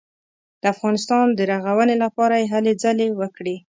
د افغانستان د رغونې لپاره یې هلې ځلې وکړې.